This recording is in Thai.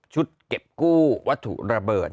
เก็บกู้วัตถุระเบิด